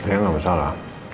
ya gak masalah